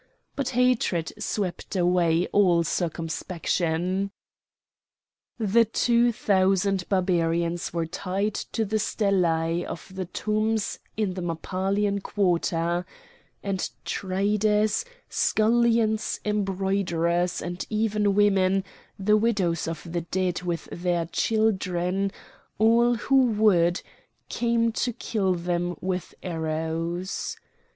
But hatred swept away all circumspection. The two thousand Barbarians were tied to the stelæ of the tombs in the Mappalian quarter; and traders, scullions, embroiderers, and even women,—the widows of the dead with their children—all who would, came to kill them with arrows.